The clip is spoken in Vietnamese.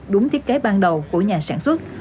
đúng thiết kế ban đầu của nhà sản xuất